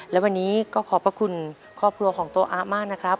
และวันนี้ก็ขอบพระคุณครอบครัวของโต๊อะมากนะครับ